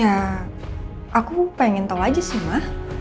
ya aku pengen tau aja sih ma